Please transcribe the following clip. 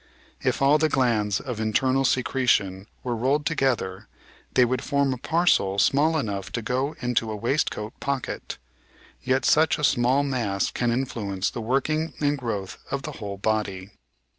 "If all the glands of internal secre tion were rolled together they would form a parcel small enough to go into a waistcoat pocket, yet such a small mass can influence the working and growth of the whole body."